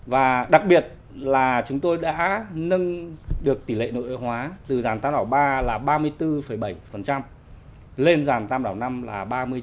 và đặc biệt là chúng tôi đã nâng được tỷ lệ nội hóa từ giàn tàm đảo ba là ba mươi bốn bảy lên giàn tàm đảo năm là ba mươi chín